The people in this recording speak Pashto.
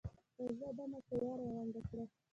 تازه دمه قوه راغونډه کړه.